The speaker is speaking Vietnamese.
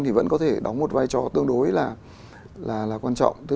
thì vẫn có thể đóng một vai trò tương đối là